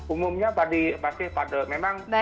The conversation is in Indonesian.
umumnya pada memang